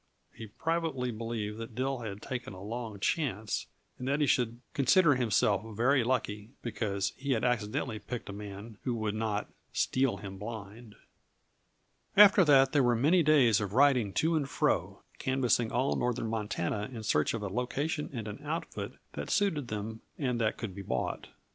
He privately believed that Dill had taken a long chance, and that he should consider himself very lucky because he had accidentally picked a man who would not "steal him blind." After that there were many days of riding to and fro, canvassing all northern Montana in search of a location and an outfit that suited them and that could be bought.